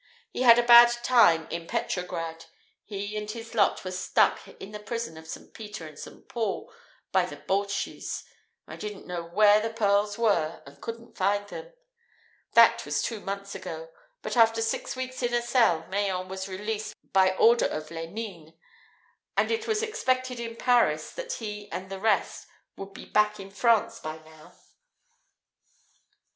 He had a bad time in Petrograd. He and his lot were stuck into the prison of St. Peter and St. Paul, by the Bolchies. I didn't know where the pearls were and couldn't find out. That was two months ago. But after six weeks in a cell, Mayen was released by order of Lenine; and it was expected in Paris that he and the rest would be back in France by now.